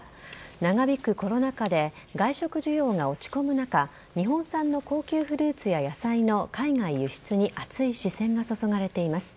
長引くコロナ禍で外食需要が落ち込む中、日本産の高級フルーツや野菜の海外輸出に熱い視線が注がれています。